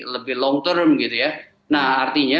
lebih long term gitu ya nah artinya